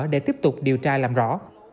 để tiếp tục điều tra làm rõ